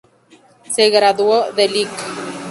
Se graduó de Lic.